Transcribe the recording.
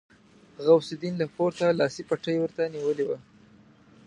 غوث الدين له پورته لاسي بتۍ ورته نيولې وه.